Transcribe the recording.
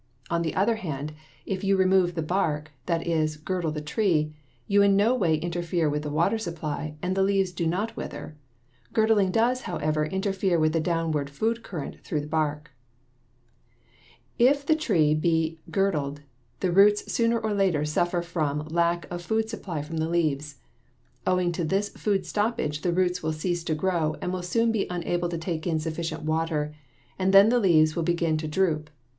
On the other hand, if you remove the bark, that is, girdle the tree, you in no way interfere with the water supply and the leaves do not wither. Girdling does, however, interfere with the downward food current through the bark. [Illustration: FIG. 28 MOVEMENT OF THE SAP CURRENT] If the tree be girdled the roots sooner or later suffer from lack of food supply from the leaves. Owing to this food stoppage the roots will cease to grow and will soon be unable to take in sufficient water, and then the leaves will begin to droop.